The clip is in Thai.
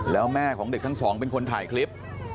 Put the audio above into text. แล้วแม่ของเด็กทั้งสองเป็นคนถ่ายคลิป